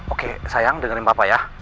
oke sayang dengerin bapak ya